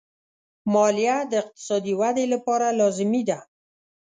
مالیه د اقتصادي ودې لپاره لازمي ده.